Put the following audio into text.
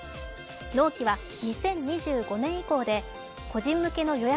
納期は２０２５年以降で個人向けの予約